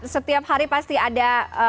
setiap hari pasti ada